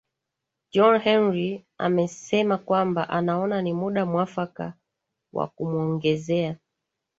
john henrie amesema kwamba anaona ni muda mwafaka wa kumwongezea